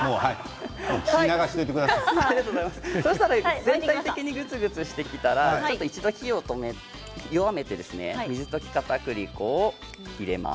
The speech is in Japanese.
聞いたところで全体的にぐつぐつしたら火を弱めて水溶きかたくり粉を入れます。